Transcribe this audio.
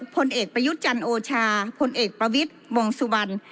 พลเอกประยุทธ์จันทร์โอชาพลเอกประวิทย์วงสุวรรณ